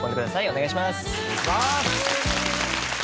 お願いします。